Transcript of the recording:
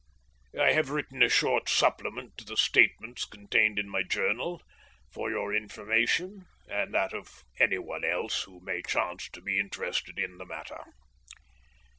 I have written a short supplement to the statements contained in my journal for your information and that of any one else who may chance to be interested in the matter.